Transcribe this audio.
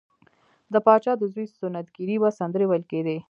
د پاچا د زوی سنت ګیری وه سندرې ویل کیدې.